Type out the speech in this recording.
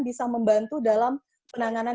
bisa membantu dalam penanganan